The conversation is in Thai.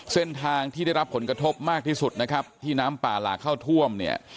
เส้นทางที่ได้รับผลกระทบมากที่สุดนะครับที่น้ำป่าหลากเข้าท่วมเนี่ย